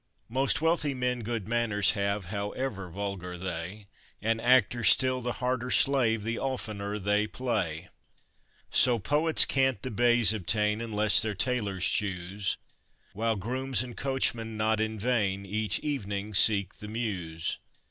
Most wealthy men good manors have, however vulgar they; And actors still the harder slave the oftener they play. So poets can't the baize obtain, unless their tailors choose; While grooms and coachmen not in vain each evening seek the Mews.